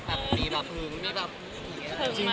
พี่โดยมีแบบหึงหึงไหม